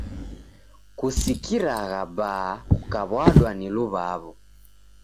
Kusikiragha baa kukaw'adwa ni luw'aw'o.